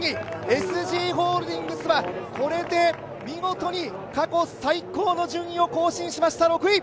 ＳＧホールディングスはこれで見事に過去最高の順位を更新しました、６位。